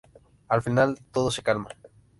Al final todo se calma.